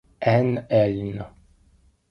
Anne Helin